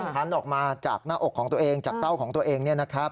หันออกมาจากหน้าอกของตัวเองจากเต้าของตัวเอง